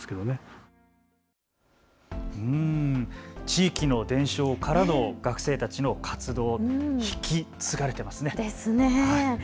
地域の伝承からの学生たちの活動、引き継がれていますね。